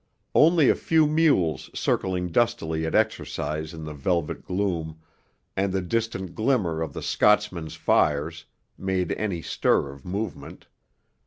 Only a few mules circling dustily at exercise in the velvet gloom, and the distant glimmer of the Scotsmen's fires, made any stir of movement.